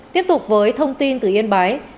tiếp tục với thông tin từ yên bái